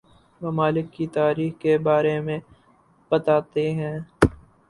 ممالک کی تاریخ کے بارے میں بتایا ہے